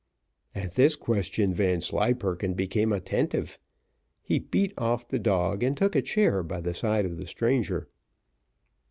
At this question Vanslyperken became attentive. He beat off the dog, and took a chair by the side of the stranger.